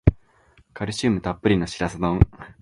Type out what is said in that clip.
カルシウムたっぷりのシラス丼